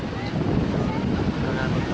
soalnya kan yang rendahin nanti lupa